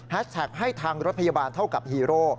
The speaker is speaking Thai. แท็กให้ทางรถพยาบาลเท่ากับฮีโร่